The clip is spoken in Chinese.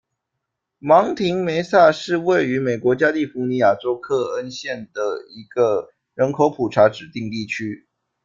芒廷梅萨是位于美国加利福尼亚州克恩县的一个人口普查指定地区。